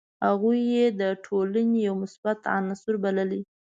هغوی یې د ټولني یو مثبت عنصر بللي.